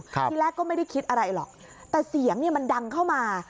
ทีแรกก็ไม่ได้คิดอะไรหรอกแต่เสียงเนี้ยมันดังเข้ามา